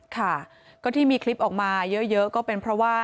ค่ะก็ที่มีคลิปออกมาเยอะก็เป็นเพราะว่า